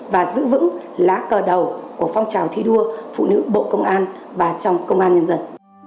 và giữ vững lá cờ đầu của phong trào thi đua phụ nữ bộ công an và trong công an nhân dân